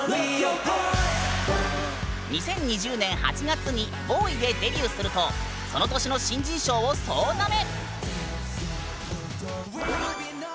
２０２０年８月に「ＢＯＹ」でデビューするとその年の新人賞を総なめ！